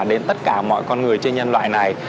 đến tất cả mọi con người trên nhân loại này